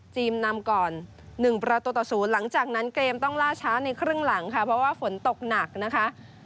นำก่อน๑ประตูต่อ๐หลังจากนั้นเกมต้องล่าช้าในครึ่งหลังค่ะเพราะว่าฝนตกหนักนะคะ